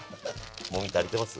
もみ足りてます？